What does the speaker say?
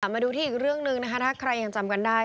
มาดูที่อีกเรื่องหนึ่งนะคะถ้าใครยังจำกันได้